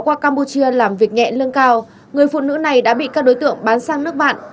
qua campuchia làm việc nhẹ lương cao người phụ nữ này đã bị các đối tượng bán sang nước bạn